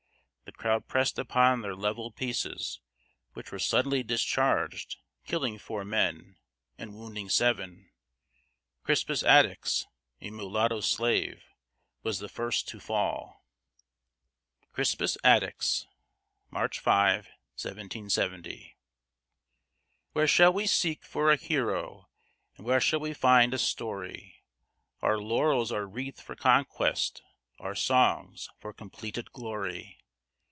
The crowd pressed upon their levelled pieces, which were suddenly discharged, killing four men and wounding seven. Crispus Attucks, a mulatto slave, was the first to fall. CRISPUS ATTUCKS [March 5, 1770] Where shall we seek for a hero, and where shall we find a story? Our laurels are wreathed for conquest, our songs for completed glory.